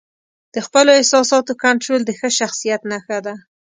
د خپلو احساساتو کنټرول د ښه شخصیت نښه ده.